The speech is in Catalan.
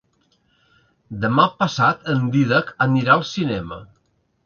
Demà passat en Dídac anirà al cinema.